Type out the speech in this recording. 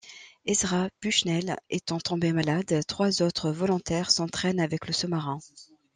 Ezra Bushnell étant tombé malade, trois autres volontaires s'entraînent avec le sous-marin.